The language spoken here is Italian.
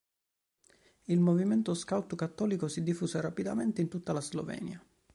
Il movimento scout cattolico si diffuse rapidamente in tutta la Slovenia.